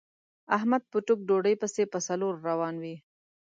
احمد په ټوک ډوډۍ پسې په څلور روان وي.